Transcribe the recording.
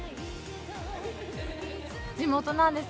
地元なんです。